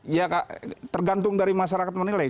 ya tergantung dari masyarakat menilai